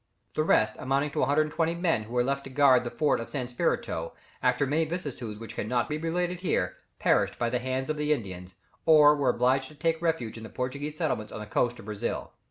The rest, amounting to 120, men who were left to guard the fort of San Spirito, after many vicissitudes which cannot be related here, perished by the hands of the Indians, or were obliged to take refuge in the Portuguese settlements on the coast of Brazil.